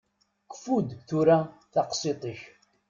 Kfu-d tura taqsiṭ-ik!